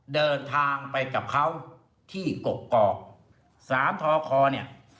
เดินทางไปกับเขาที่กกอกสามทอคอเนี่ย